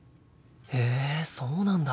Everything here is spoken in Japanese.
へえそうなんだ。